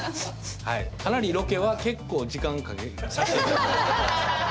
かなりロケは結構時間かけさせて頂いております。